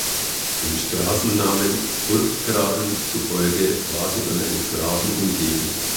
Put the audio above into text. Dem Straßennamen „Burggraben“ zufolge war sie von einem Graben umgeben.